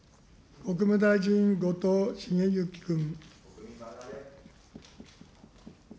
国務大臣、後藤茂之君。